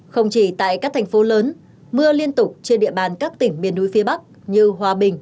không chỉ tại các thành phố lớn mưa liên tục trên địa bàn các tỉnh miền núi phía bắc như hòa bình